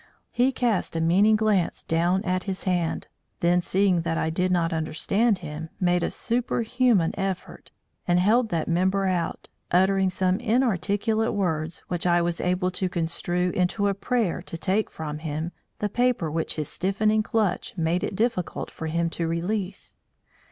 He cast a meaning glance down at his hand, then seeing that I did not understand him, made a super human effort and held that member out, uttering some inarticulate words which I was able to construe into a prayer to take from him the paper which his stiffening clutch made it difficult for him to release.